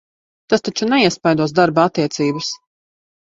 Tas taču neiespaidos darba attiecības?